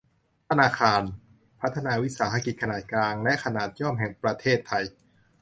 ธนาคารพัฒนาวิสาหกิจขนาดกลางและขนาดย่อมแห่งประเทศไทย